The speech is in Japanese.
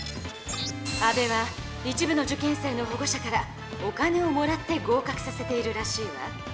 安部は一部の受験生の保護者からお金をもらって合かくさせているらしいわ。